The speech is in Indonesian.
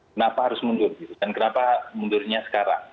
kenapa harus mundur dan kenapa mundurnya sekarang